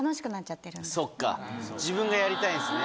そっか自分がやりたいんですね。